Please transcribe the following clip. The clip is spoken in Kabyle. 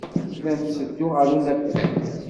La netteddu ɣer unafag.